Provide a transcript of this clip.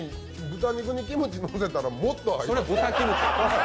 豚肉にキムチのせたらもっと合います。